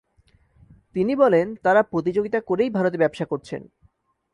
তিনি বলেন, তাঁরা প্রতিযোগিতা করেই ভারতে ব্যবসা করছেন।